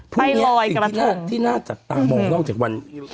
ไปลอยกระทงที่หน้าจากตามองนอกจากวัน